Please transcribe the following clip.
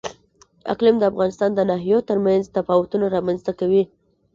اقلیم د افغانستان د ناحیو ترمنځ تفاوتونه رامنځ ته کوي.